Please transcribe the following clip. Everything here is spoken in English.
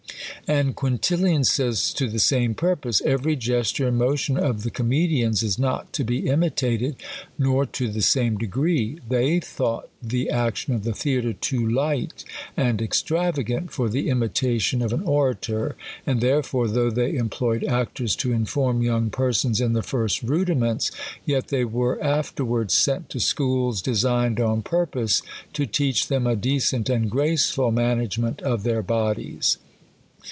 And Quintilian says to the same purpose, " Every gesture and motion of the comedians is not to be imi tated, THE COLUMBIAN ORATOR. 13 taled, nor to the same degree. They thought the action of th© theatre too light and extravagant for the imitation of an orator ; and therefore, though they employed actors to inform young persons in the first rudiments, yet they were afterwards sent to schools, de . signed on purpose to teach them a decent and graceful management of their bodies.